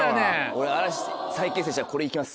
俺嵐再結成したらこれ行きます。